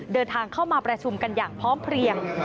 เดินทางเข้ามาประชุมกันอย่างพร้อมเพลียง